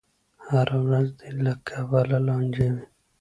هره ورځ دې له کبله لانجه وي.